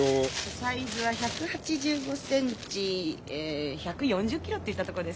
サイズは１８５センチえ１４０キロといったところですか？